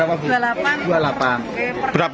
di pasaran berapa